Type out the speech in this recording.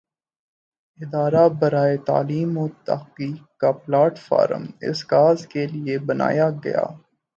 ادارہ برائے تعلیم وتحقیق کا پلیٹ فارم اس کاز کے لئے بنایا گیا۔